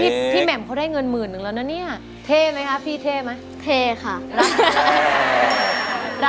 พี่แหม่มเขาได้เงินหมื่นหนึ่งแล้วนะเนี่ยเท่ไหมคะพี่เท่ไหมเท่ค่ะ